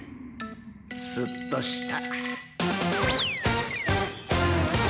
スッとした。